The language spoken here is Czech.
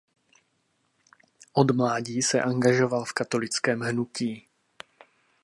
Od mládí se angažoval v katolickém hnutí.